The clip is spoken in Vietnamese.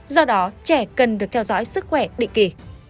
do đó trẻ cần được theo dõi sức khỏe định kỳ